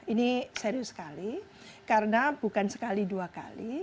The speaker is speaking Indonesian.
ini serius sekali karena bukan sekali dua kali